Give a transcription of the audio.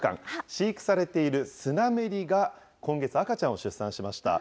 飼育されているスナメリが、今月、赤ちゃんを出産しました。